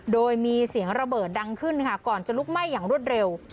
โดยมีเสียงระเบิดดังขึ้นค่ะก่อนจะลุกไหม้อย่างรวดเร็ว